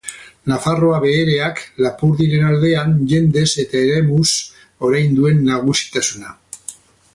Nafarroa Behereak Lapurdiren aldean, jendez eta eremuz, orain duen nagusitasuna.